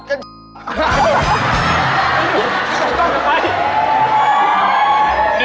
เด็กุร่า